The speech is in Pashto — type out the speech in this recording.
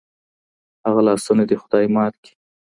هغه لاسونه دي خدای مات کې